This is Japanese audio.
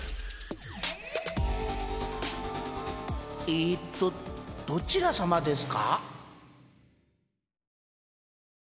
えっとどちらさまですか？